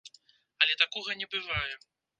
Але такога не бывае.